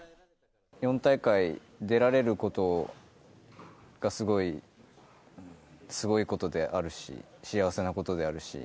４大会出られることがすごい、すごいことであるし、幸せなことであるし。